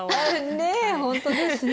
ねえ本当ですね。